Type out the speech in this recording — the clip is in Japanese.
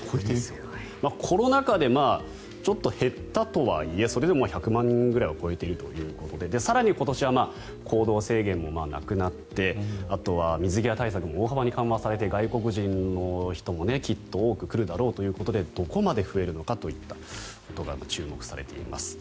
コロナ禍でちょっと減ったとはいえそれでも１００万人は超えているということで更に今年は行動制限もなくなってあとは水際対策も大幅に緩和されて外国人の人もきっと多く来るだろうということでどこまで増えるのかといったことが注目されています。